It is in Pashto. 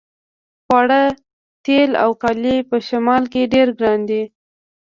خواړه تیل او کالي په شمال کې ډیر ګران دي